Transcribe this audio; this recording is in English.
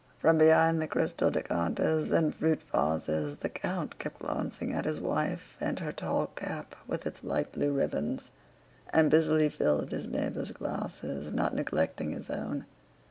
From behind the crystal decanters and fruit vases, the count kept glancing at his wife and her tall cap with its light blue ribbons, and busily filled his neighbors' glasses, not neglecting his own.